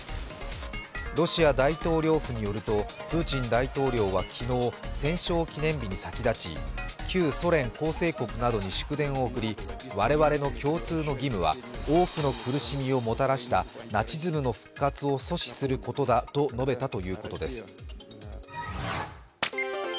ロシア大統領府によるとプーチン大統領は昨日戦勝記念日に先立ち旧ソ連構成国などに祝電を送り我々の共通の義務は多くの苦しみをもたらしたナチズムの復活を阻止することだと述べたということです。